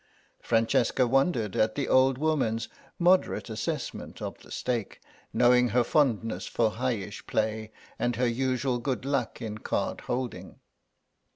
Francesca wondered at the old woman's moderate assessment of the stake, knowing her fondness for highish play and her usual good luck in card holding.